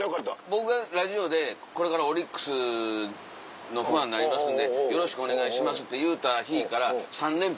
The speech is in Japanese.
僕がラジオで「これからオリックスのファンになりますんでよろしくお願いします」って言うた日から３連敗。